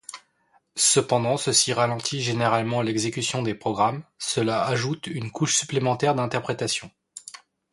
Cependant, ceci ralentit généralement l’exécution des programmes, car cela ajoute une couche supplémentaire d’interprétation.